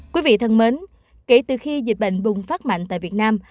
quý vị thân mến kể từ khi dịch bệnh bùng phát mạnh tại việt nam